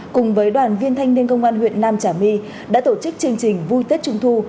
cùng với đoàn viên thanh niên công an huyện nam trà my đã tổ chức chương trình vui tết trung thu